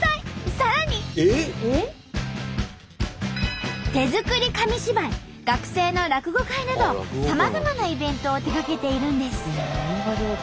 さらに手作り紙芝居学生の落語会などさまざまなイベントを手がけているんです。